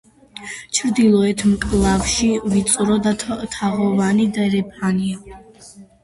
ჩრდილოეთ მკლავში ვიწრო და თაღოვანი დერეფანია.